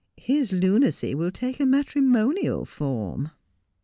' His lunacy will take a matrimonial form.'